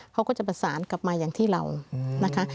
เขาก็จะประสานกลับมาอย่างที่เรานะคะ